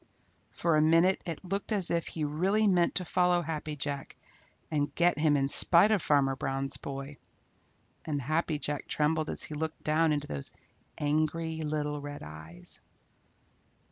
For a minute it looked as if he really meant to follow Happy Jack and get him in spite of Farmer Brown's boy, and Happy Jack trembled as he looked down into those angry little red eyes.